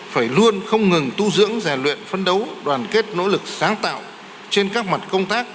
phải luôn không ngừng tu dưỡng rèn luyện phân đấu đoàn kết nỗ lực sáng tạo trên các mặt công tác